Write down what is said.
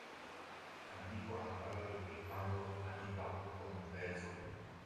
Tambiko ambalo lilipangwa kufanyika huko Mvezo